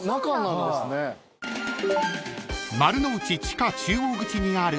［丸の内地下中央口にある］